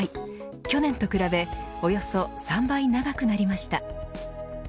去年と比べおよそ３倍長くなりました。